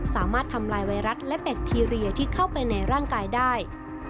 สามารถทำลายไวรัสและแบคทีเรียที่เข้าไปในร่างกายได้